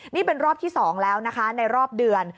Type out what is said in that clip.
นี่เป็นรอบที่๒แล้วนะคะในรอบเดือน